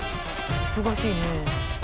忙しいね。